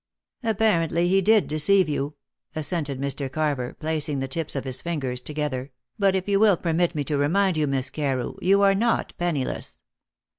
"Apparently he did deceive you," assented Mr. Carver, placing the tips of his fingers together; "but if you will permit me to remind you, Miss Carew, you are not penniless."